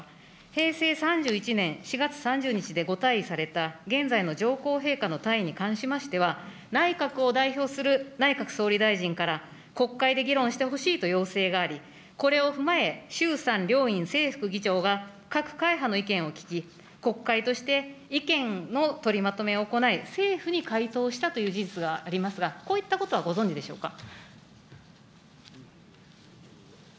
平成３１年４月３０日でご退位された、現在の上皇陛下の退位に関しては、内閣を代表する内閣総理大臣から、国会で議論してほしいと要請があり、これを踏まえ、衆参両院正副議長が各会派の意見を聞き、国会として意見の取りまとめを行い、政府に回答したという事実がありますが、こういったことはご存じでしょうか。